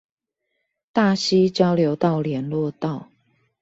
大溪交流道聯絡道